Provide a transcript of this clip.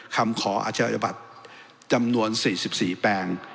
คำขออาชญาบัตรจำนวน๔๔แปลง